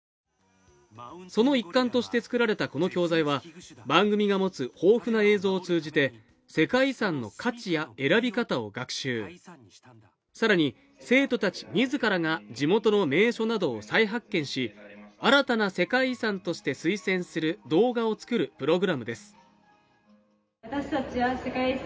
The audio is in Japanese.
その一環として作られたこの教材は番組が持つ豊富な映像を通じて世界遺産の価値や選び方を学習さらに生徒たち自らが地元の名所などを再発見した新たな世界遺産として推薦する動画を作るプログラムです